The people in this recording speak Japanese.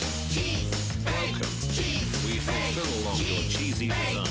チーズ！